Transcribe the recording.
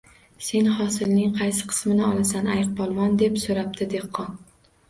Sen hosilning qaysi qismini olasan, ayiqpolvon? — deb so’rabdi dehqon